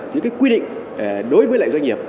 những cái quy định đối với lại doanh nghiệp